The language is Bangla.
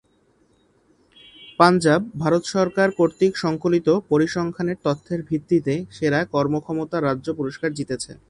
পাঞ্জাব ভারত সরকার কর্তৃক সংকলিত পরিসংখ্যানের তথ্যের ভিত্তিতে সেরা কর্মক্ষমতা রাজ্য পুরস্কার জিতেছে।